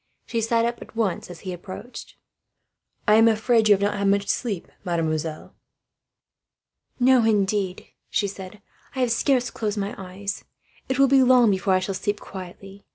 She sat up at once, as his step approached. "I am afraid you have not had much sleep, mademoiselle." "No, indeed," she said. "I have scarce closed my eyes. It will be long before I shall sleep quietly.